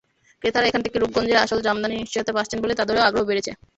ক্রেতারা এখান থেকে রূপগঞ্জের আসল জামদানির নিশ্চয়তা পাচ্ছেন বলে তাঁদেরও আগ্রহ বেড়েছে।